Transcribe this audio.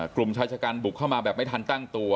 กลุ่มชายชะกันบุกเข้ามาแบบไม่ทันตั้งตัว